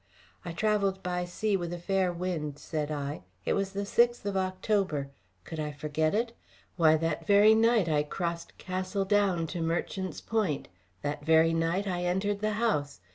"I travelled by sea with a fair wind," said I. "It was the sixth of October. Could I forget it? Why, that very night I crossed Castle Down to Merchant's Point; that very night I entered the house.